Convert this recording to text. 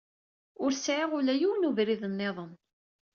Ur sɛiɣ ula yiwen ubrid-nniḍen.